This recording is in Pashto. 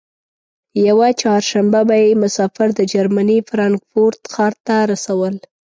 یوه چهارشنبه به یې مسافر د جرمني فرانکفورت ښار ته رسول.